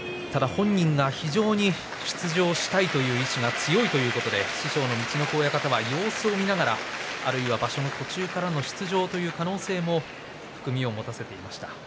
本人が非常に出場したいという意志が強いということで師匠の陸奥親方は様子を見ながらあるいは場所の途中からの出場ということも含みを持たせていました。